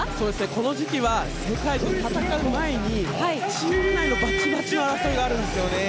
この時期は世界と戦う前にチーム内のバチバチの争いがあるんですよね。